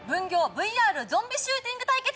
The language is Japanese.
ＶＲゾンビシューティング対決！